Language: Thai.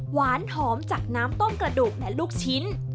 หวานหอมจากน้ำต้มกระดูกและลูกชิ้น